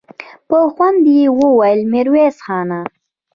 په خوند يې وويل: ميرويس خانه!